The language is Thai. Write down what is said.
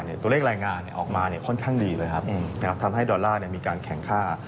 ตัวเลขรายงานออกมาค่อนข้างดีเลยครับทำให้ดอลลาร์มีการแข็งค่า